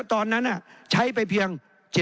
แต่ตอนนั้นใช้ไปเพียง๗๐๐๐๐